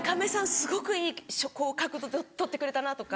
すごくいい角度で撮ってくれたな」とか。